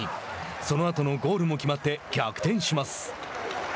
そのあとのゴールも決まって逆転します。